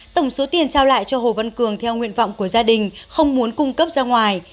tổng số tiền trao lại cho hồ văn cường theo nguyện vọng của gia đình không muốn cung cấp ra ngoài